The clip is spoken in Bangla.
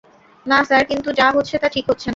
না স্যার কিন্ত যা হচ্ছে তা ঠিক হচ্ছে না।